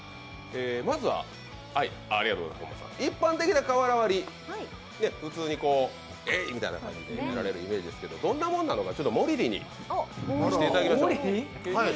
まずは一般的な瓦割り、普通にえいっ！みたいな感じでやられるイメージですけどどんなものなのか、モリリに見せていただきましょう。